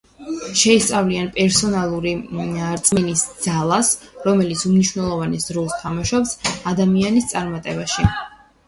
ნაპოლეონ ჰილის ნაშრომები შეისწავლიან პერსონალური რწმენის ძალას რომელიც უმნიშვნელოვანეს როლს თამაშობს ადამიანის წარმატებაში.